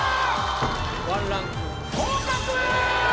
１ランク降格！